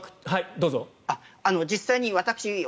実際に私